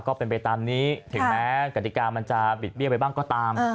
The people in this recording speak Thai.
ก็เป็นไปตามนี้ถึงแม้กฎิกามันจะบิดเบี้ยไปบ้างก็ตาม